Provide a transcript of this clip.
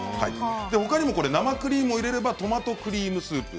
他にも生クリームを入れればトマトクリームスープ。